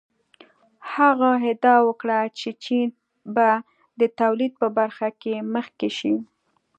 هغه ادعا وکړه چې چین به د تولید په برخه کې مخکې شي.